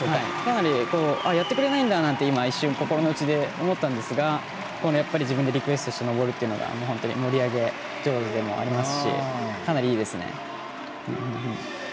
やってくれないんだなんて一瞬、心の内で思ったんですが自分でリクエストして登るというのが本当に盛り上げ上手でもありますしかなりいいですね。